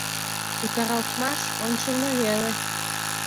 Утаралтмаш — ончылно веле!